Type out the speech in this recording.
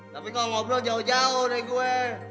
tapi kalau ngobrol jauh jauh dari gue